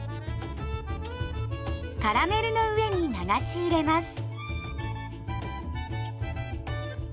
カラメルの上に流し入れます。